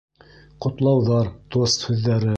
Ҡотлауҙар, тост һүҙҙәре